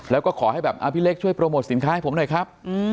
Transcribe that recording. แล้วก็ขอให้แบบพี่เล็กช่วยโปรโมทสินค้าให้ผมหน่อยครับ